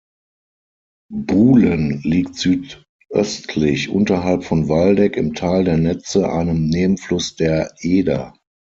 Buhlen liegt südöstlich unterhalb von Waldeck im Tal der Netze einem Nebenfluss der Eder.